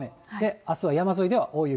あすは山沿いでは大雪。